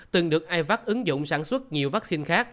từng được aivac ứng dụng sản xuất nhiều vaccine